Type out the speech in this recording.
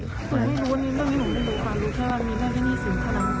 ผมไม่รู้ผมก็ไม่รู้บางทีมีแค่หนี้สี